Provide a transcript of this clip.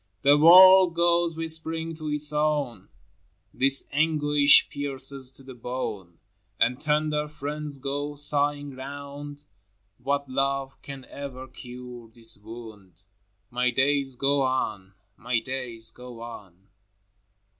DE PROFUiVDIS. 17 The world goes whispering to its own, "This anguish pierces to the bone;" And tender friends go sighing round, " What love can ever cure this wound ?" My days go on, my days go on.